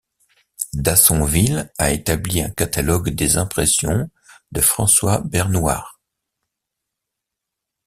Dassonville a établi un catalogue des impressions de François Bernouard.